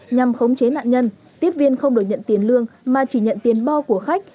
nhằm khống chế nạn nhân tiếp viên không đổi nhận tiền lương mà chỉ nhận tiền bo của khách